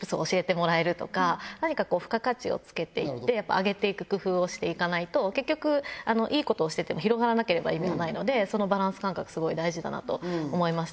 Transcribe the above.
上げていく工夫をしていかないと結局いいことをしてても広がらなければ意味がないのでそのバランス感覚すごい大事だなと思いました。